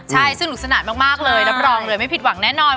ใช่สนุกสนานมากเลยรับรองเลยไม่ผิดหวังแน่นอน